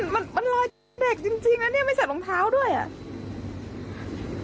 มันมันรอยเด็กจริงนะเนี่ยไม่ใส่รองเท้าด้วยอ่ะ